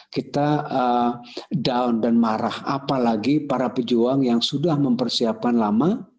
kita down dan marah apalagi para pejuang yang sudah mempersiapkan lama